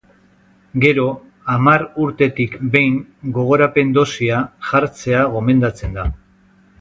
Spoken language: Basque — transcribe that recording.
Gero, hamar urtetik behin gogorapen-dosia jartzea gomendatzen da.